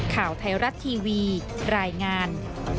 ข่าวไทยรัฐทีวีรายงาน